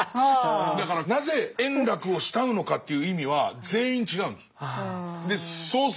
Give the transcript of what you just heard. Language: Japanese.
だからなぜ円楽を慕うのかという意味は全員違うんです。